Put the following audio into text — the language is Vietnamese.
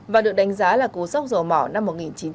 và được đánh giá là cú sốc dầu mỏ năm một nghìn chín trăm bảy mươi